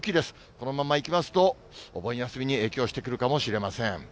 このままいきますと、お盆休みに影響してくるかもしれません。